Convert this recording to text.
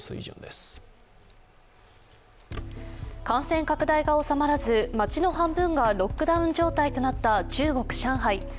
感染拡大が収まらず街の半分がロックダウン状態となった中国・上海。